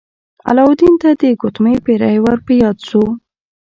علاوالدین ته د ګوتمۍ پیری ور په یاد شو.